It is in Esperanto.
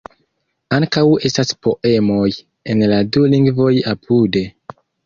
Ankaŭ estas poemoj en la du lingvoj apude.